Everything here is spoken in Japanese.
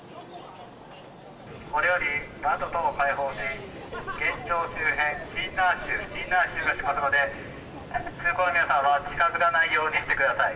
これより窓等開放し、現場周辺シンナー臭がしますので、通行人の皆様は、近づかないようにしてください。